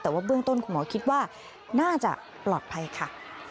แต่ว่าเบื้องต้นคุณหมอคิดว่าน่าจะปลอดภัยค่ะ